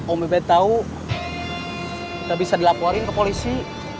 om ubed tau kita bisa dilaporin ke polisi